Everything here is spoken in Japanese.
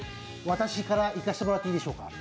私からいかせてもらっていいでしょうか？